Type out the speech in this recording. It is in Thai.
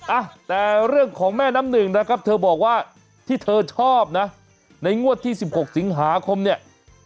อ่ะแต่เรื่องของแม่น้ำหนึ่งนะครับเธอบอกว่าที่เธอชอบนะในงวดที่สิบหกสิงหาคมเนี่ย